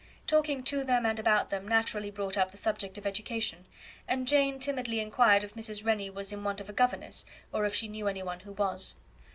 Talking to them and about them naturally brought up the subject of education; and Jane timidly inquired if Mrs. Rennie was in want of a governess, or if she knew any one who was.